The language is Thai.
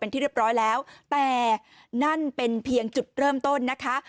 ที่เรียบร้อยแล้วแต่นั่นเป็นเพียงจุดเริ่มต้นนะคะ